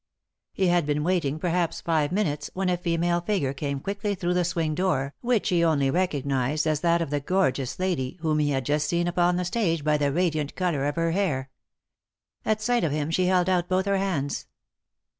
He had been waiting perhaps five minutes when a female figure came quickly through the swing door, which he only recognised as that of the gorgeous lady whom he had just seen upon the stage by the radiant colour of her hair. At sight of him she held out both her hands.